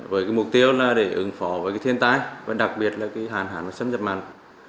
với mục tiêu là để ứng phỏ với thiên tai và đặc biệt là hàn hảo sâm dập mạng